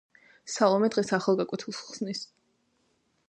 სალომე დღეს ახალ გაკვეთილს ხსნის